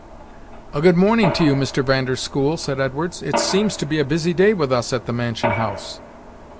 "A good morning to you, Mr. Van der School," said Edwards; "it seems to be a busy day with us at the mansion house."